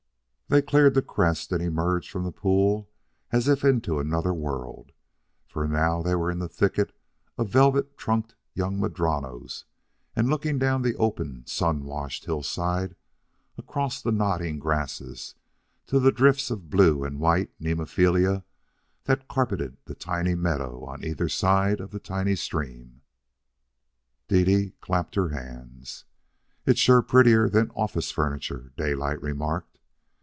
They cleared the crest and emerged from the pool as if into another world, for now they were in the thicket of velvet trunked young madronos and looking down the open, sun washed hillside, across the nodding grasses, to the drifts of blue and white nemophilae that carpeted the tiny meadow on either side the tiny stream. Dede clapped her hands. "It's sure prettier than office furniture," Daylight remarked.